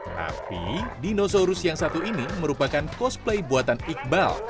tapi dinosaurus yang satu ini merupakan cosplay buatan iqbal